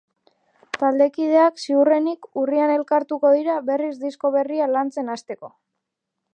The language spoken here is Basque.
Taldekideak, ziurrenik, urrian elkartuko dira berriz disko berria lantzen hasteko.